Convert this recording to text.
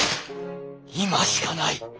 今しかない。